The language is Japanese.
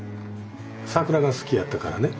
桜が好きやったからね